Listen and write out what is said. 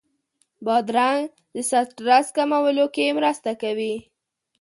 بادرنګ د سټرس کمولو کې مرسته کوي.